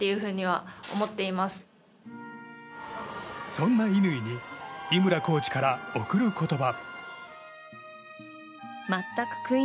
そんな乾に井村コーチから贈る言葉。